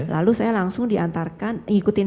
lalu saya langsung diantarkan ngikutin